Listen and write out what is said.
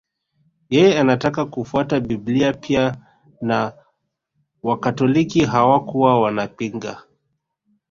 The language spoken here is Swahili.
Yeye anataka kufuata Biblia pia na Wakatoliki hawakuwa wanapinga